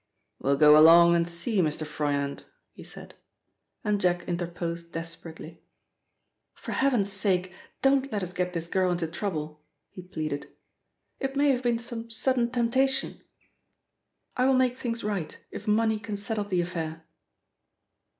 "We'll go along and see Mr. Froyant," he said, and Jack interposed desperately: "For heaven's sake, don't let us get this girl into trouble," he pleaded. "It may have been some sudden temptation I will make things right, if money can settle the affair."